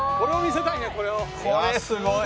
「これすごい！」